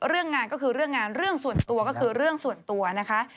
เรื่องงานก็คือเรื่องงานเรื่องส่วนตัวก็คือเรื่องส่วนตัวนะคะ